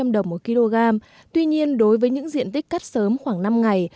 năm trăm linh đồng một kg tuy nhiên đối với những diện tích cắt sớm khoảng năm ngày